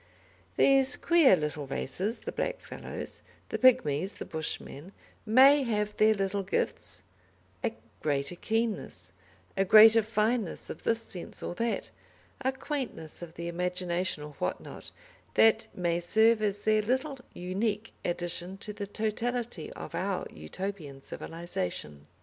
These queer little races, the black fellows, the Pigmies, the Bushmen, may have their little gifts, a greater keenness, a greater fineness of this sense or that, a quaintness of the imagination or what not, that may serve as their little unique addition to the totality of our Utopian civilisation.